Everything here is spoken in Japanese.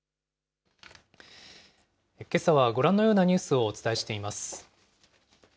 けさはご覧のようなニュースをお伝えしています。